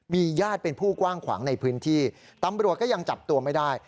มีญาติเป็นผู้กว้างขวางในพื้นที่ตำรวจก็ยังจับตัวไม่ได้